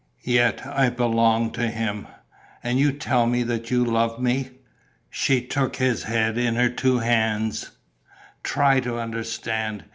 "Yet I belong to him." "And you tell me that you love me!" She took his head in her two hands: "Try to understand.